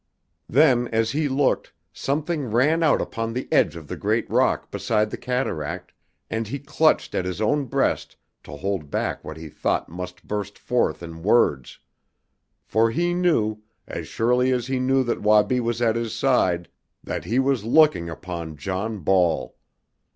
Then, as he looked, something ran out upon the edge of the great rock beside the cataract, and he clutched at his own breast to hold back what he thought must burst forth in words. For he knew as surely as he knew that Wabi was at his side that he was looking upon John Ball!